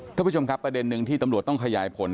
ท่านผู้ชมครับประเด็นหนึ่งที่ตำรวจต้องขยายผล